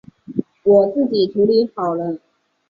我自己处理好了